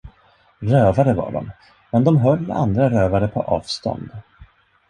Rövare var de, men de höll andra rövare på avstånd.